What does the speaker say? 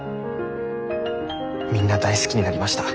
みんな大好きになりました。